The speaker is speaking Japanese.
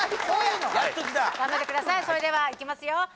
それではいきますよ